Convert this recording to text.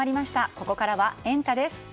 ここからはエンタ！です。